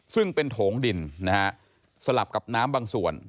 ซึ่งเป็นโถงดินนะฮะสลับกับน้ำบางส่วน